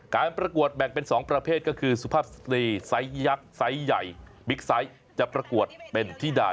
การปรากฏแบ่งเป็น๒ประเภทก็คือสุรภาพสีซ้ายใหญ่